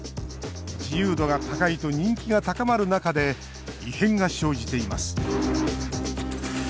自由度が高いと人気が高まる中で異変が生じています